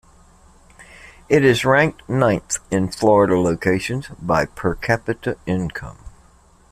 It is ranked ninth in Florida locations by per capita income.